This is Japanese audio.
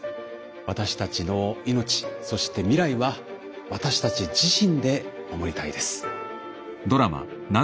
私たちの命そして未来は私たち自身で守りたいです。